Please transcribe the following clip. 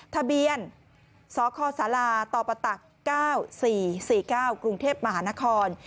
ทะเบียนสคศตปต๙๔๔๙กรุงเทพมหานคร